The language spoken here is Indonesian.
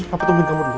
papa tungguin kamu dulu